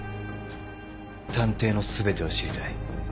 探偵の全てを知りたい。